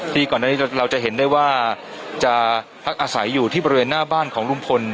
ก่อนอันนี้เราจะเห็นได้ว่าจะพักอาศัยอยู่ที่บริเวณหน้าบ้านของลุงพล